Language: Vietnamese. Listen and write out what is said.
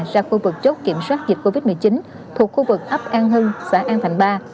ra khu vực chốt kiểm soát dịch covid một mươi chín thuộc khu vực ấp an hưng xã an thành ba